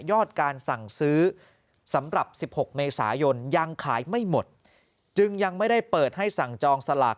การสั่งซื้อสำหรับ๑๖เมษายนยังขายไม่หมดจึงยังไม่ได้เปิดให้สั่งจองสลาก